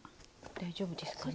大丈夫ですかね？